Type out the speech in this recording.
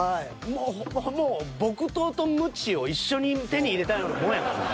もうほぼほぼ木刀とムチを一緒に手に入れたようなもんやからな。